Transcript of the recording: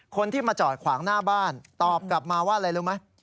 คนที่มาจอดขวางหน้าบ้านตอบกลับมาว่าอะไรรู้ไหม